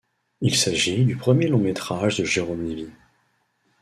Il s'agit du premier long métrage de Jérôme Lévy.